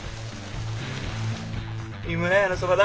井村屋のそばだ。